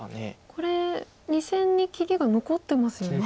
これ２線に切りが残ってますよね。